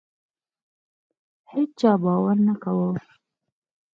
هیچا باور نه کاوه.